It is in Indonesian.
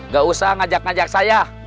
gak usah ngajak ngajak saya